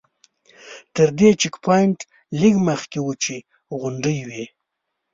تر دې چیک پواینټ لږ مخکې وچې غونډۍ وې.